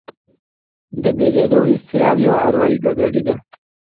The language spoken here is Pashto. دا بېلېدو اضطراب یوه اروایي ګډوډي ده.